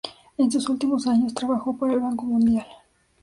En sus últimos años trabajó para el Banco Mundial.